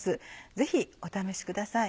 ぜひお試しください。